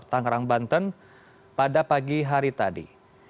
tangerang banten pada pagi hari tadi